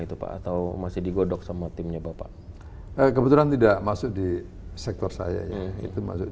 itu pak atau masih digodok sama timnya bapak kebetulan tidak masuk di sektor saya itu masuk